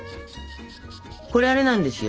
これあれなんですよ。